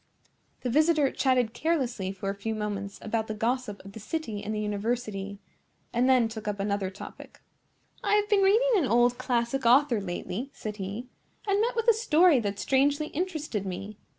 The visitor chatted carelessly for a few moments about the gossip of the city and the university, and then took up another topic. "I have been reading an old classic author lately," said he, "and met with a story that strangely interested me.